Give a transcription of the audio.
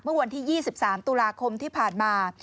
เมื่อวันที่๒๓ตุลาคมที่ผ่านมา